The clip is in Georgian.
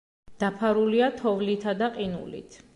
დაფარულია თოვლითა და ყინულით.